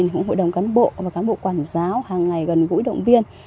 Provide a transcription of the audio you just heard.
hội đồng cán bộ và cán bộ quản giáo hàng ngày gần gũi động viên